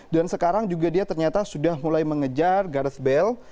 dan sekarang juga dia ternyata sudah mulai mengejar gareth bale